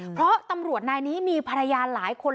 เพราะตำรวจนายนี้มีภรรยาหลายคน